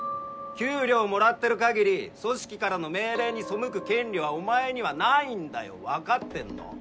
給料もらってる限り組織からの命令に背く権利はお前にはないんだよわかってんの？